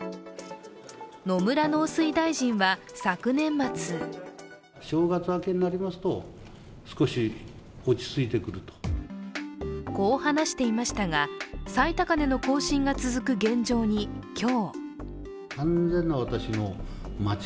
野村農水大臣は昨年末こう話していましたが最高値の更新が続く現状に今日。